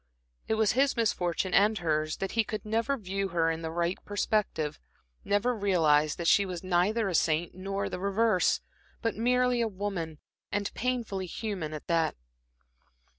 It was his misfortune and hers, that he could never view her in the right perspective, never realize that she was neither a saint nor the reverse, but merely a woman, and painfully human at that.